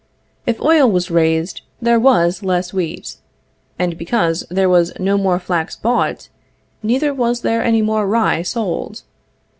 If oil was raised, there was less wheat; and because there was no more flax bought, neither was there any more rye sold.